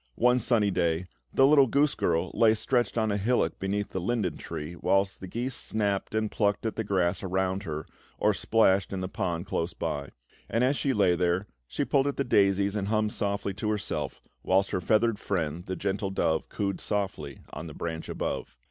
One sunny day, the little goose girl lay stretched on a hillock beneath the linden tree, whilst the geese snapped and plucked at the grass around her, or splashed in the pond close by; and as she lay there, she pulled at the daisies and hummed softly to herself, whilst her feathered friend, the gentle dove, cooed softly on a branch above.